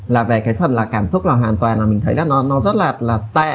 là về cái phần là cảm xúc là hoàn toàn là mình thấy là nó rất là tệ